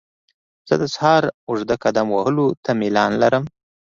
زه د سهار اوږده قدم وهلو ته میلان لرم.